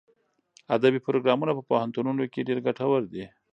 ادبي پروګرامونه په پوهنتونونو کې ډېر ګټور دي.